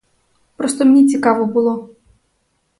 Просто мені цікаво було.